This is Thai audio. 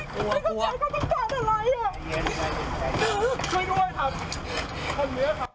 ช่วยด้วยครับช่วยด้วยครับ